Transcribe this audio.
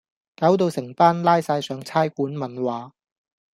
搞到成班拉晒上差館問話